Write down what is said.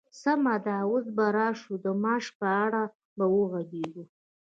سمه ده، اوس به راشو د معاش په اړه به وغږيږو!